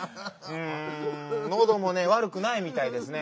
うんのどもねわるくないみたいですねぇ。